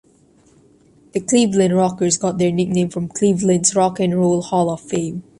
The Cleveland Rockers got their nickname from Cleveland's Rock and Roll Hall of Fame.